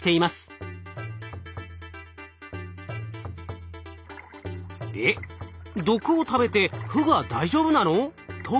「えっ毒を食べてフグは大丈夫なの？」と思いますよね。